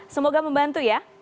semoga membantu ya